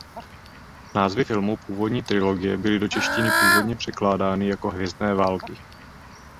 Názvy filmů původní trilogie byly do češtiny původně překládány jako "Hvězdné války".